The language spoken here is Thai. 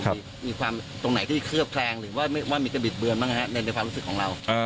มีความตรงไหนที่เคลือบแคลงหรือว่ามีการบิดเบือนบ้างในความรู้สึกของเรา